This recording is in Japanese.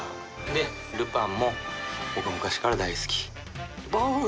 で「ルパン」も僕昔から大好き。